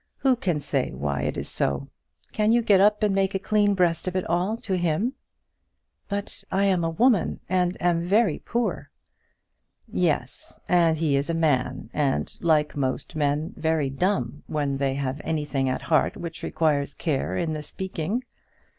Who can say why it is so? Can you get up and make a clean breast of it all to him?" "But I am a woman, and am very poor." "Yes, and he is a man, and, like most men, very dumb when they have anything at heart which requires care in the speaking.